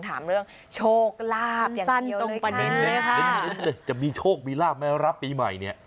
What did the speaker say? ถามเรื่องโชคลาภสั้นตรงประเด็นเลยค่ะจะมีโชคมีลาบไหมรับปีใหม่เนี่ย